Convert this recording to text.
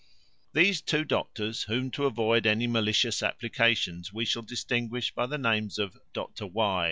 These two doctors, whom, to avoid any malicious applications, we shall distinguish by the names of Dr Y.